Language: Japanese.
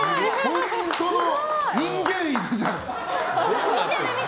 本当の人間椅子じゃん！